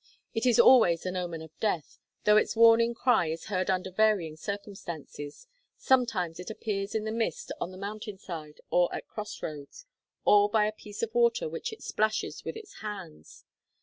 It is always an omen of death, though its warning cry is heard under varying circumstances; sometimes it appears in the mist on the mountain side, or at cross roads, or by a piece of water which it splashes with its hands.